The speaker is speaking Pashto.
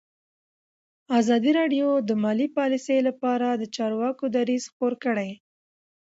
ازادي راډیو د مالي پالیسي لپاره د چارواکو دریځ خپور کړی.